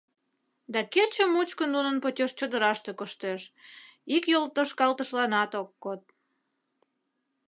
Да кече мучко нунын почеш чодыраште коштеш, ик йолтошкалтышланат ок код.